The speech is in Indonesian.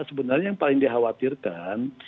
sebenarnya yang paling dikhawatirkan